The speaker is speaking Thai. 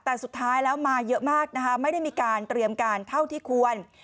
แต่สุดท้ายแล้วมาเยอะมากนะคะไม่ได้มีการเตรียมการเท่าที่ควร